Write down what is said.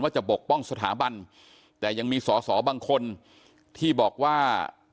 จะปกป้องสถาบันแต่ยังมีสอสอบางคนที่บอกว่า